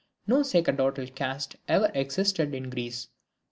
No sacerdotal caste ever existed in Greece.